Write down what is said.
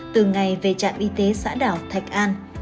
từ ngày về trạm y tế xã đảo thạch an